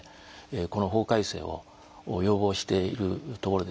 この法改正を要望しているところです。